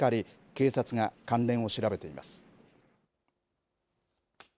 警察が関連を調べています。